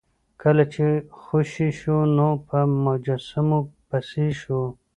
کله چې خوشې شو نو په مجسمو پسې شو.